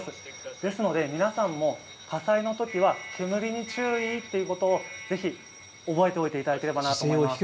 ですので皆さんも火災のときは煙に注意ということをぜひ覚えておいていただければと思います。